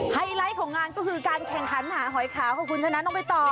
ไฮไลท์ของงานก็คือการแข่งขันหาหอยขาวค่ะคุณชนะน้องไปต่อ